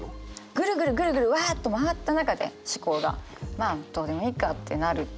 ぐるぐるぐるぐるわあっと回った中で思考がまあどうでもいいかってなるっていう。